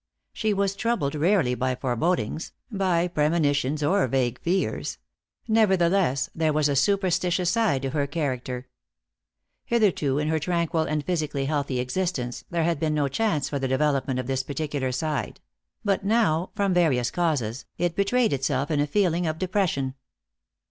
She was troubled rarely by forebodings, by premonitions, or vague fears; nevertheless, there was a superstitious side to her character. Hitherto, in her tranquil and physically healthy existence, there had been no chance for the development of this particular side; but now, from various causes, it betrayed itself in a feeling of depression.